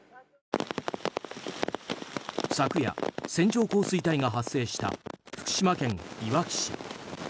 昨夜、線状降水帯が発生した福島県いわき市。